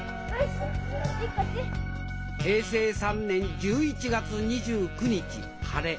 平成３年１１月２９日晴れ。